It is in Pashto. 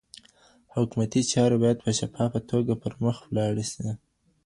حکومتي چاري بايد په شفافه توګه پرمخ ولاړې سي.